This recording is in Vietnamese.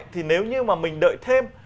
thì nếu như mà mình đợi thêm